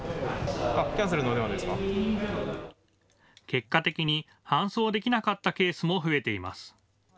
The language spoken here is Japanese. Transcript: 結果的に搬送できなかったケースも増えています。